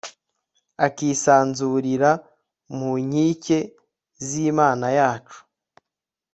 akisanzurira mu nkike z'imana yacu